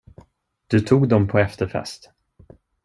Du tog dem på efterfest.